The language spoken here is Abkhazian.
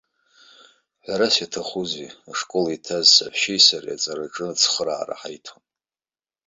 Ҳәарас иаҭахузеи, ашкол иҭаз саҳәшьеи сареи аҵараҿы ацхыраара ҳаиҭон.